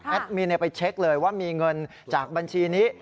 มินไปเช็คเลยว่ามีเงินจากบัญชีนี้